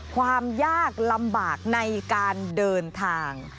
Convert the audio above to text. ความยากลำบากในการเดินทาง